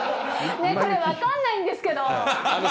これ、分かんないんですけど。